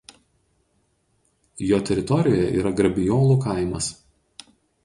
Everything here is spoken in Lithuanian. Jo teritorijoje yra Grabijolų kaimas.